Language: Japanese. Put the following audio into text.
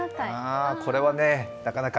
これはね、なかなか。